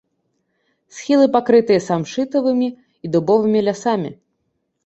Схілы пакрытыя самшытавымі і дубовымі лясамі.